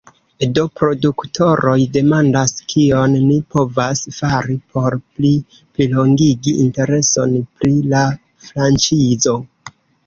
Do produktoroj demandas; kion ni povas fari por pli plilongigi intereson pri la franĉizo?